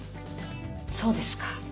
そうですか。